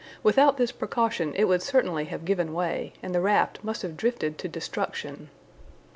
Without this precaution it would certainly have given way, and the raft must have drifted to destruction.